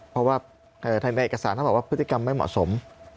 เพราะว่าทางในเอกสารท่านบอกว่าพฤติกรรมไม่เหมาะสม